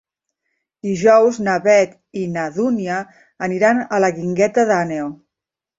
Dijous na Beth i na Dúnia aniran a la Guingueta d'Àneu.